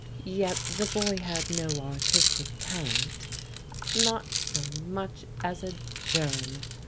Yet the boy had no artistic talent not so much as a germ.